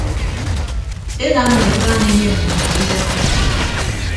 Enam nọ ibaan enie nnịmnnọidem.